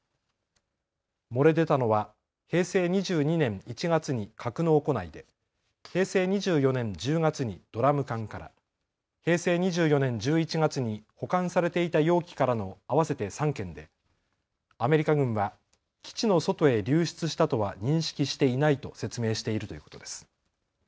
漏れ出たのは平成２２年１月に格納庫内で、平成２４年１０月にドラム缶から、平成２４年１１月に保管されていた容器からの合わせて３件でアメリカ軍は基地の外へ流出したとは認識していないと説明しているということです。